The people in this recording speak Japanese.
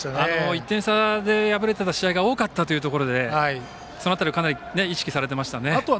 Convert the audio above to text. １点差で敗れていた試合が多かったというところでその辺りをかなり意識されていましたね。